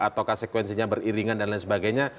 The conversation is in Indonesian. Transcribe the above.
ataukah sekwensinya beriringan dan lain sebagainya